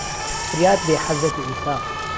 فريات بێ حهزرهتی عیسا